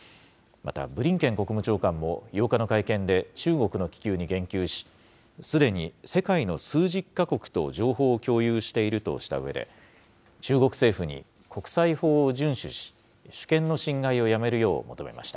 また、ブリンケン国務長官も８日の会見で中国の気球に言及し、すでに世界の数十か国と情報を共有しているとしたうえで、中国政府に国際法を順守し、主権の侵害をやめるよう求めました。